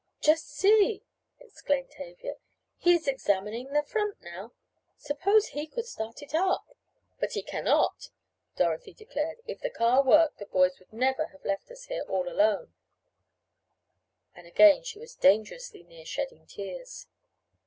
"Just see!" exclaimed Tavia, "he is examining the front now. Suppose he could start it up?" "But he cannot," Dorothy declared, "if the car worked the boys would never have left us here all alone," and again she was dangerously near shedding tears.